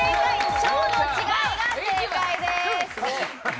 腸の違いが正解です。